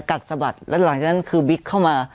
สะบัดแล้วหลังจากนั้นคือบิ๊กเข้ามา